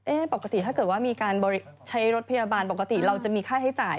ปกติถ้าเกิดว่ามีการใช้รถพยาบาลปกติเราจะมีค่าใช้จ่าย